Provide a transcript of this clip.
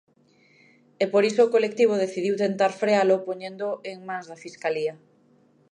E por iso o colectivo decidiu tentar frealo poñéndoo en mans da Fiscalía.